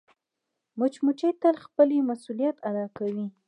مچمچۍ تل خپل مسؤولیت ادا کوي